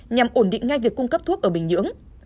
nhằm ổn định ngay việc cung cấp thuốc ở bình nhưỡng